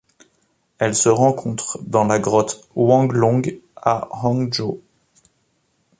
Elle se rencontre dans la grotte Huanglong à Hangzhou.